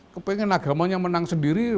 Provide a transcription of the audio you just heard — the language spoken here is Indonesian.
kepengen agamanya menang sendiri